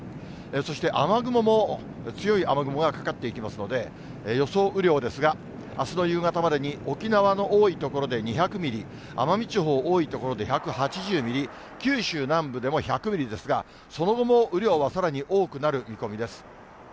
そして雨雲も、強い雨雲がかかっていきますので、予想雨量ですが、あすの夕方までに、沖縄の多い所で２００ミリ、奄美地方、多い所で１８０ミリ、九州南部でも１００ミリですが、その後も雨量はさらに多くなる見込みです。